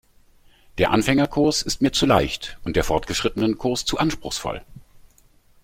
Der Anfängerkurs ist mir zu leicht und der Fortgeschrittenenkurs zu anspruchsvoll.